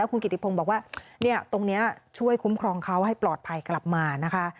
คุณกิติพงศ์บอกว่าตรงนี้ช่วยคุ้มครองเขาให้ปลอดภัยกลับมานะคะ